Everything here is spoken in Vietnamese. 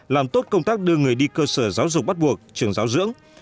làm tốt công tác đưa người đi cơ sở giáo dục bắt buộc trường giáo dưỡng